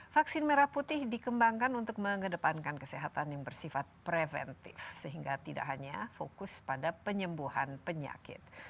vaksin merah putih dikembangkan untuk mengedepankan kesehatan yang bersifat preventif sehingga tidak hanya fokus pada penyembuhan penyakit